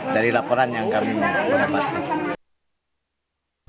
dari laporan yang kami dapatkan